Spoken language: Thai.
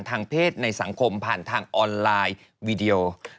ทางเพศในสังคมผ่านทางออนไลน์วีดีโอ